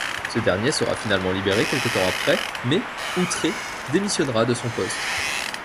Ce dernier sera finalement libéré quelque temps après, mais, outré, démissionnera de son poste.